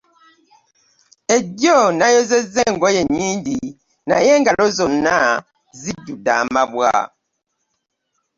Egyo nayozeza engoye nnyingi naye engaalo zonna zijjude amabwa.